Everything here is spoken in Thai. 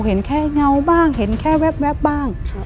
เห็นแค่เงาบ้างเห็นแค่แว๊บบ้าง